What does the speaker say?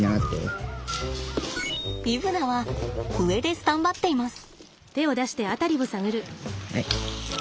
イブナは上でスタンバっています。